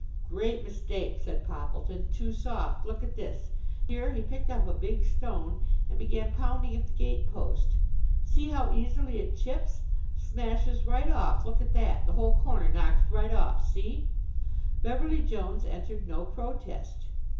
"Great mistake," said Poppleton. "Too soft. Look at this" here he picked up a big stone and began pounding at the gate post "see how easily it chips! Smashes right off. Look at that, the whole corner knocks right off, see!" Beverly Jones entered no protest.